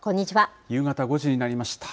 夕方５時になりました。